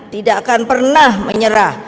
tidak akan pernah menyerah